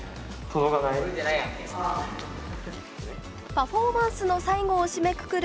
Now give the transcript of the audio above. パフォーマンスの最後を締めくくる